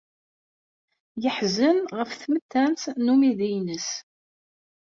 Yeḥzen ɣef tmettant n umidi-nnes.